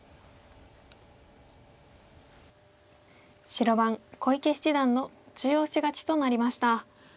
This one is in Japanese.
白番小池七段の中押し勝ちとなりました。